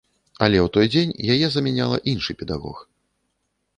Але ў той дзень яе замяняла іншы педагог.